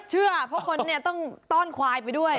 เชื่อเพราะคนเนี่ยต้องต้อนควายไปด้วย